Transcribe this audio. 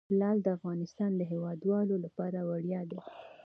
لعل د افغانستان د هیوادوالو لپاره ویاړ دی.